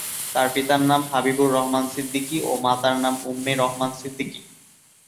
তার পিতার নাম হাবিবুর রহমান সিদ্দিকী ও মাতার নাম উম্মে রহমান সিদ্দিকী।